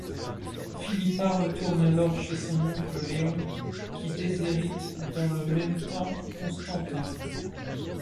Philippa retourne alors chez son oncle Léon qui déshérite dans le même temps Constantin.